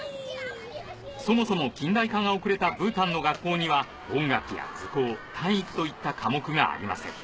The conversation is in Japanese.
そもそも近代化が遅れたブータンの学校には音楽や図工・体育といった科目がありません